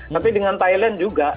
tapi dengan thailand juga